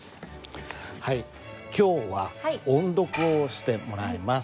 今日は音読をしてもらいます。